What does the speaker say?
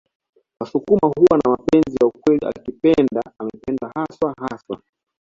Wasukuma huwa na mapenzi ya ukweli akipenda amependa haswa haswa